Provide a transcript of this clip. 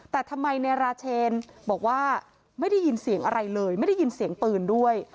แต่ทำไมนายราเชนบอกว่าไม่ได้ยินเสียงอะไรเลยไม่ได้ยินเสียงปืนด้วย